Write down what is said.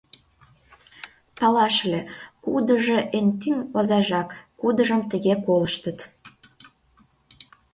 Палаш ыле: кудыжо эн тӱҥ, озажак, кудыжым тыге колыштыт?..